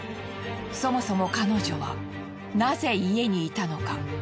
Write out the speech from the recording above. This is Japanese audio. そもそも彼女はなぜ家にいたのか？